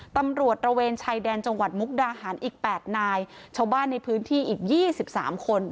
ตำรวจระเวนชายแดนจังหวัดมุกดาหารอีก๘นายชาวบ้านในพื้นที่อีก๒๓คน